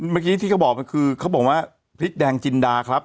แม่งที่เขาบอกทิศแดงจินดาครับ